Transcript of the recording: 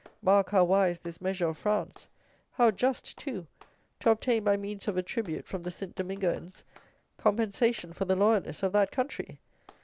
Mark how wise this measure of France! How just, too; to obtain by means of a tribute from the St. Domingoians compensation for the loyalists of that country!